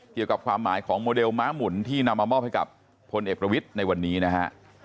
เกี่ยวกับความหมายของโมเดลม้าหมุนที่นำมามอบให้กับพลเอกประวิทย์ในวันนี้นะฮะ